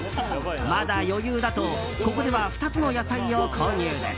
まだ余裕だとここでは２つの野菜を購入です。